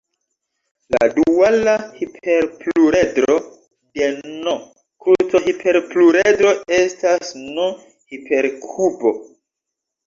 La duala hiperpluredro de "n"-kruco-hiperpluredro estas "n"-hiperkubo.